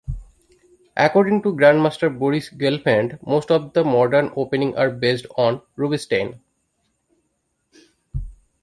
According to Grandmaster Boris Gelfand, Most of the modern openings are based on Rubinstein.